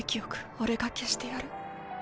俺が消してやる。